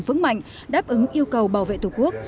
vững mạnh đáp ứng yêu cầu bảo vệ tổ quốc